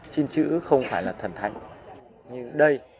xin chữ không phải là thần thánh như đây